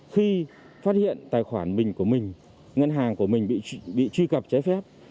khi phát hiện tài khoản mình của mình ngân hàng của mình bị truy cập trái phép